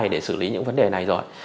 để xử lý những vấn đề này rồi